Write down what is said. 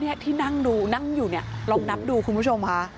นี่ที่นั่งดูนั่งอยู่เนี่ยลองนับดูคุณผู้ชมค่ะ